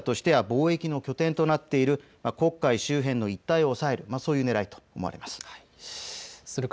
ロシアとしては貿易の拠点となっている黒海周辺の一帯を抑える、そういうねらいと思われます。